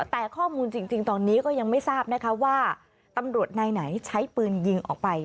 แต่ข้อมูลจริงตอนนี้ก็ยังไม่ทราบนะคะว่าตำรวจนายไหนใช้ปืนยิงออกไป